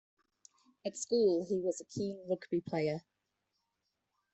At school, he was a keen rugby player.